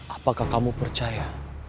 apakah kamu percaya